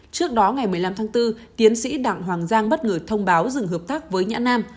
trước đó ngày một mươi năm tháng bốn tiến sĩ đặng hoàng giang bất ngờ thông báo dừng hợp tác với nhã nam